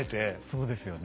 そうですよね。